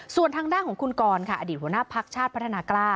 ส่วนทางด้านของคุณกรค่ะอดีตหัวหน้าพักชาติพัฒนากล้า